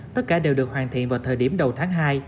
tất cả đều được hoàn thiện vào thời điểm đầu tháng hai